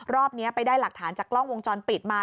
รอบนี้ไปได้หลักฐานจากกล้องวงจรปิดมา